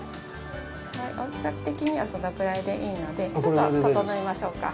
大きさ的にはそのくらいでいいので、ちょっと整えましょうか。